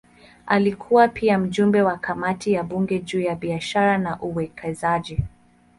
Alikuwa pia mjumbe wa kamati ya bunge juu ya biashara na uwekezaji.